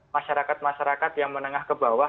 masyarakat masyarakat yang menengah ke bawah